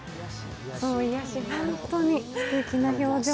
癒やし、本当にすてきな表情で。